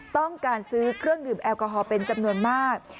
ต้องการซื้อเครื่องดื่มแอลกอฮอลเป็นจำนวนมาก